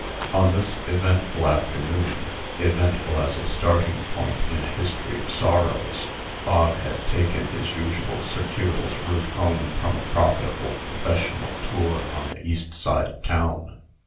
On this eventful afternoon (eventful as a starting point in a history of sorrows), Bog had taken his usual circuitous route home from a profitable professional tour on the east side of town.